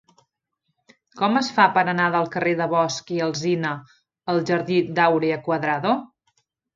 Com es fa per anar del carrer de Bosch i Alsina al jardí d'Áurea Cuadrado?